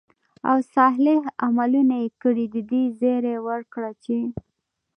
او صالح عملونه ئې كړي، د دې زېرى وركړه چې: